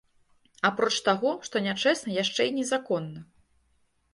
Апроч таго, што нячэсна, яшчэ й незаконна.